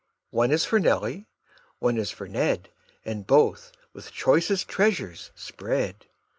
One is for Nelly, one for Ned, And both with choicest treasures spread.